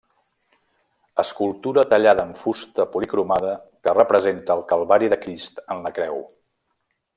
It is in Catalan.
Escultura tallada en fusta policromada que representa el calvari de Crist en la creu.